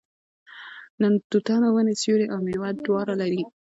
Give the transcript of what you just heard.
د توتانو ونې سیوری او میوه دواړه لري.